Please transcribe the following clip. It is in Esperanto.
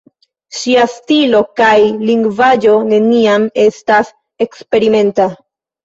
Ŝia stilo kaj lingvaĵo neniam estas eksperimenta.